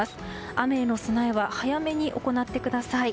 雨への備えは早めに行ってください。